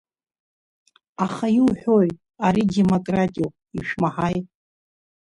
Аха иуҳәои, ари демократиоуп, ишәмаҳаи…